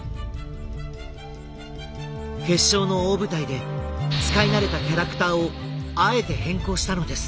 決勝の大舞台で使い慣れたキャラクターをあえて変更したのです。